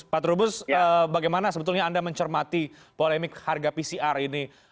pak trubus bagaimana sebetulnya anda mencermati polemik harga pcr ini